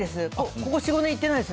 ここ４、５年、行っていないです